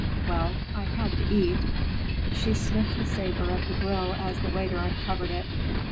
Well, I had to eat." She sniffed the savor of the grill as the waiter uncovered it.